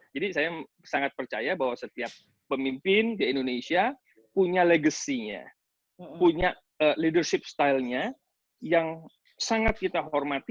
jadi saya sangat percaya bahwa setiap pemimpin di indonesia punya legasinya punya leadership stylenya yang sangat kita hormati